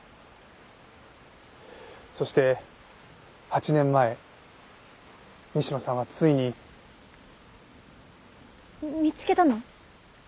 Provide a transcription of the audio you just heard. そして８年前西野さんはついに。見つけたの？